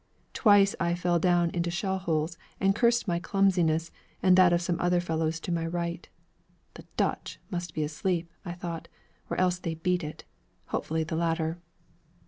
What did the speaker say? Twice I fell down into shell holes and cursed my clumsiness and that of some other fellows to my right. 'The "Dutch" must be asleep,' I thought, 'or else they beat it.' Hopefully the latter!